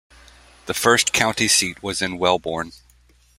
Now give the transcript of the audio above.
The first county seat was in Wellborn.